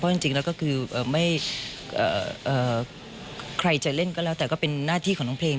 จริงแล้วก็คือไม่ใครจะเล่นก็แล้วแต่ก็เป็นหน้าที่ของน้องเพลง